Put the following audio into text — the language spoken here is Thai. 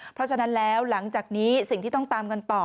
เพราะฉะนั้นแล้วหลังจากนี้สิ่งที่ต้องตามกันต่อ